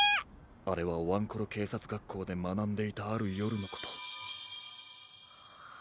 あれはワンコロけいさつがっこうでまなんでいたあるよるのこと。